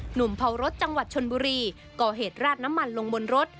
เผารถจังหวัดชนบุรีก่อเหตุราดน้ำมันลงบนรถ